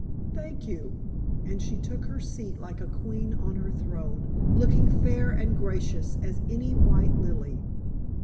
"Thank you," and she took her seat like a queen on her throne, looking fair and gracious as any white lily.